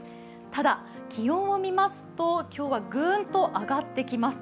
ただ、気温を見ますと今日はぐーんと上がってきます。